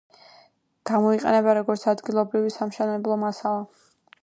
გამოიყენება როგორც ადგილობრივი სამშენებლო მასალა.